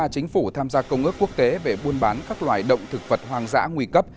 một trăm tám mươi ba chính phủ tham gia công ước quốc tế về buôn bán các loài động thực vật hoang dã nguy cấp